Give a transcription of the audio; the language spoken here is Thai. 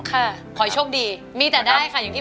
ขอโชคดีมีแต่ได้ค่ะ